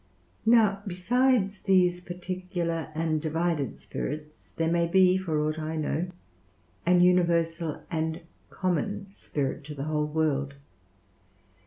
Now, besides these particular and divided spirits there may be (for aught I know) an universal and common spirit to the whole world.